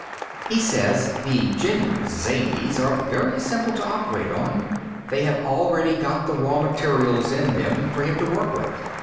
"He says the genuine zanies are very simple to operate on. They have already got the raw materials in them for him to work with.